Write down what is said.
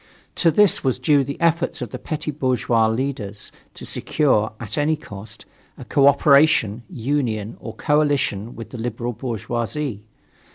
To this was due the effort of the petty bourgeois leaders to secure, at any cost, a cooperation, union, or coalition with the liberal bourgeoisie.